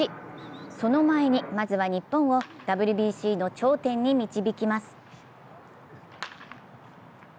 その前に、まずは日本をＷＢＣの頂点に導きます